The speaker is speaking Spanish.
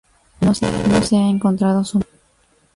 No se ha encontrado su momia.